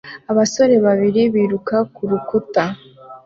Abasore babiri biruka kurukuta